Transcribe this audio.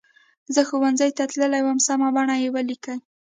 زه ښوونځي ته تللې وم سمه بڼه یې ولیکئ.